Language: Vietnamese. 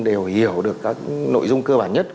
đều hiểu được các nội dung cơ bản nhất